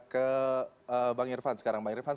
ke bang irfan sekarang bang irvan